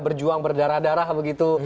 berjuang berdarah darah begitu